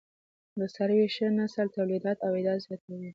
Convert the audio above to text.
د څارويو ښه نسل تولیدات او عاید زیاتوي.